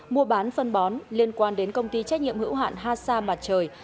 mua bán phân bón liên quan đến công ty trách nhiệm hữu hạn hasa mặt trời